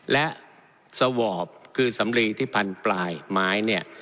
และสวอปคือสำลีที่พันปลายไม้เนี่ย